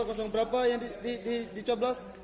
kosong berapa yang dicoblos